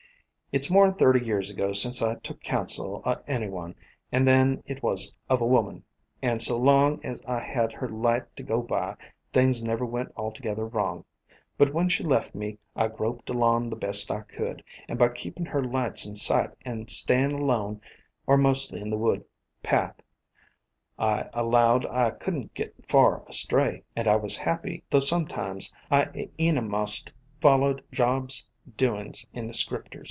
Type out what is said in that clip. It 's more 'n thirty years ago since I took counsel o' any one, an' then it was of a woman, an' so long as I had her light to go by, things never went altogether wrong; but when she left me I groped along the best I could, and by keepin' her lights in sight and stayin' alone or mostly in the wood path, I allowed I could n't get far astray, and I was happy — though sometimes I e'ena'most followed Job's do ings in the Scripters.